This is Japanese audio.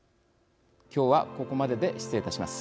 今日はここまでで失礼いたします。